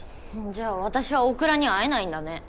じゃあ私は大倉には会えないんだね。